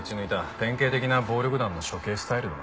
典型的な暴力団の処刑スタイルだな。